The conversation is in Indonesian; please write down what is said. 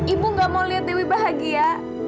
ibu gak mau lihat dewi bahagia